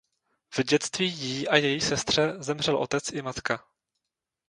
V dětství jí a její sestře zemřel otec i matka.